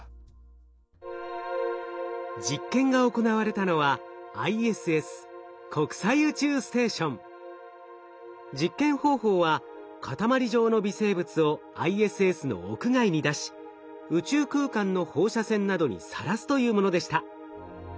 実験が行われたのはＩＳＳ実験方法は塊状の微生物をＩＳＳの屋外に出し宇宙空間の放射線などにさらすというものでした。